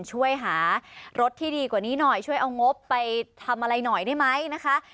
ช่วยหารถที่ดีกว่านี้หน่อยช่วยเอางบไปทำอะไรหน่อยได้ไหมนะคะ